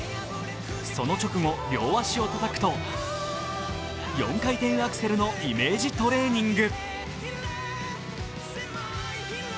その直後、両足をたたくと４回転アクセルのイメージトレーニング。